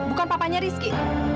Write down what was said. bukan papanya rizky